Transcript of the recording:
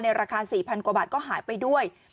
ราคา๔๐๐กว่าบาทก็หายไปด้วย